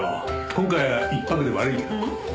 今回は１泊で悪いな。